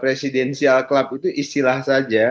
presiden sial club itu istilah saja